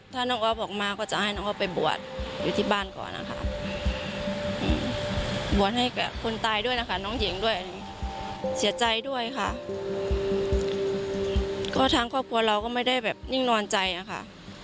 ทางครอบครัวเราก็ไม่ได้นิ่งนอนใจค่ะ